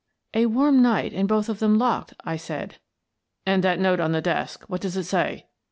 "A warm night and both of them locked," I said. "And that note on the desk — what does it say?"